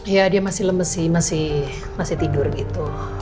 ya dia masih lemes sih masih tidur gitu